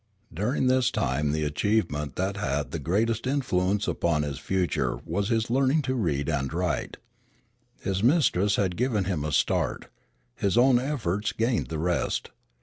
During this time the achievement that had the greatest influence upon his future was his learning to read and write. His mistress had given him a start. His own efforts gained the rest.